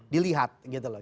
dilihat gitu loh